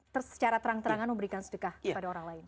terus secara terang terangan memberikan sedekah kepada orang lain